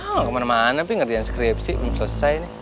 ah mau kemana mana pi ngerti inskripsi belum selesai ini